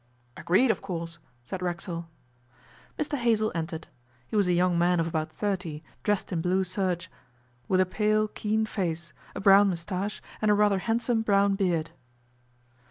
'Agreed, of course,' said Racksole. Mr Hazell entered. He was a young man of about thirty, dressed in blue serge, with a pale, keen face, a brown moustache and a rather handsome brown beard.